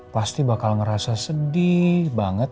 pasti bakal ngerasa sedih banget